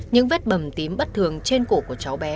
những vết bầm tím bất thường trên cổ của cháu bé